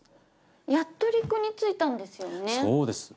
やっと陸に着いたんですよね。